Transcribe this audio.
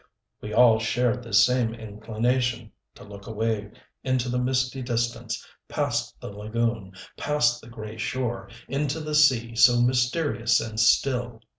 We all shared this same inclination to look away into the misty distance, past the lagoon, past the gray shore, into the sea so mysterious and still.